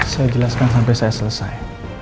saya jelaskan sampai saya selesai